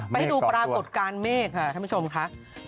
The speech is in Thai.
ให้ดูปรากฏการณ์เมฆค่ะท่านผู้ชมค่ะ